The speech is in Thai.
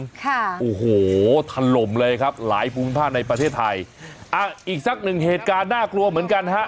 ค่ะโอ้โหถล่มเลยครับหลายภูมิภาคในประเทศไทยอ่ะอีกสักหนึ่งเหตุการณ์น่ากลัวเหมือนกันฮะ